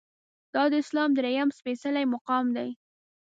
دا د اسلام درېیم سپیڅلی مقام دی.